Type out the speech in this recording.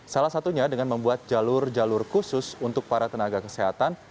salah satunya dengan membuat jalur jalur khusus untuk para tenaga kesehatan